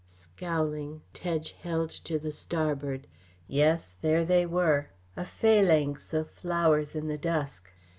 Scowling, Tedge held to the starboard. Yes, there they were a phalanx of flowers in the dusk.